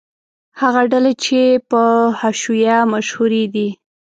هغه ډلې چې په حشویه مشهورې دي.